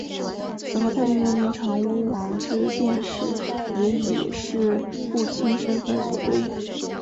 此后天平元年长屋王之变时也以式部卿身份所对应。